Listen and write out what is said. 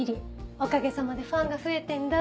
おかげさまでファンが増えてんだ。